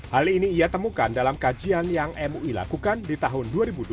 hal ini ia temukan dalam kajian yang mui lakukan di tahun dua ribu dua puluh